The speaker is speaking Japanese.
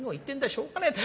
しょうがねえ。